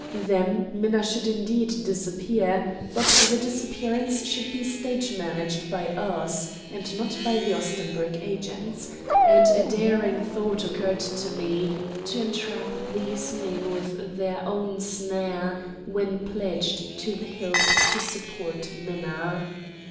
Then Minna should indeed disappear; but the disappearance should be stage managed by us, and not by the Ostenburg agents; and a daring thought occurred to me, to entrap these men with their own snare when pledged to the hilt to support Minna.